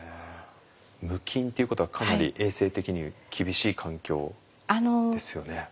無菌っていうことはかなり衛生的に厳しい環境ですよね。